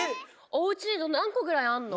おうちになんこぐらいあんの？